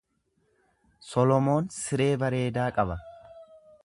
Solomoon siree bareedaa qaba.